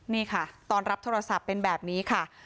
นี่ค่ะตอนรับโทรศัพท์เป็นแบบนี้ค่ะ